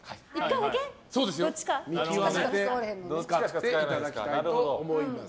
見極めて使っていただきたいと思います。